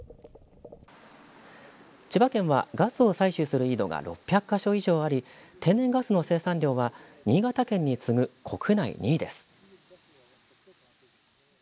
千葉県はガスを採取する井戸が６００か所以上あり天然ガスの生産量は新潟県に次ぐ国内２位です。